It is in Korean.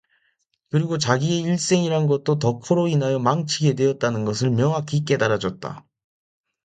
그리고 자기의 일생이란 것도 덕호로 인하여 망치게 되었다는 것을 명확히 깨달아졌다.